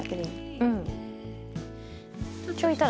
うん。